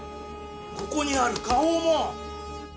ここにある花押も。